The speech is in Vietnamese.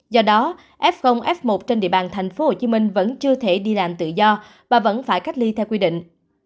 do đó f f một trên địa bàn tp hcm vẫn chưa thể đi làm tự do và vẫn phải cách ly theo quy định